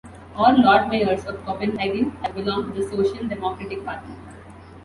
All lord mayors of Copenhagen have belonged to the Social Democratic Party.